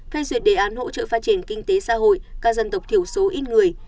phê duyệt đề án hỗ trợ phát triển kinh tế xã hội các dân tộc thiểu số ít người